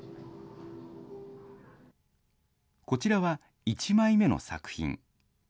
こちらは、１枚目の作品。